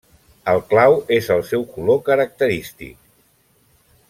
El clau és el seu color característic.